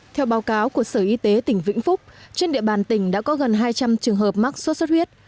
theo báo cáo của sở y tế tỉnh vĩnh phúc trên địa bàn tỉnh đã có gần hai trăm linh trường hợp mắc sốt xuất huyết